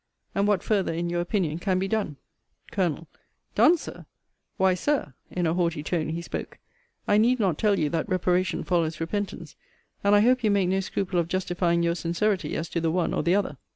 And what farther, in your opinion, can be done? Col. Done! Sir? Why, Sir, [in a haughty tone he spoke,] I need not tell you that reparation follows repentance. And I hope you make no scruple of justifying your sincerity as to the one or the other.